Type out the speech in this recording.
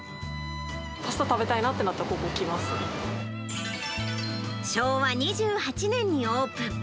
パスタ食べたいなってなった昭和２８年にオープン。